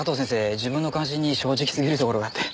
自分の関心に正直すぎるところがあって。